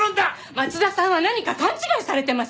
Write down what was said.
松田さんは何か勘違いされてます。